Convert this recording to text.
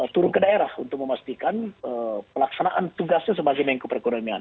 turun ke daerah untuk memastikan pelaksanaan tugasnya sebagai mengkoperkonomian